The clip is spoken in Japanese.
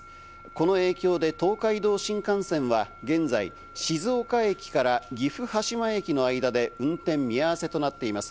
この影響で東海道新幹線は現在、静岡駅から岐阜羽島駅の間で運転見合わせとなっています。